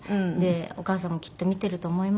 「お母さんもきっと見てると思います」